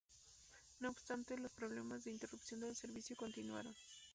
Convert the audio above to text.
No obstante los problemas de interrupción del servicio continuaron.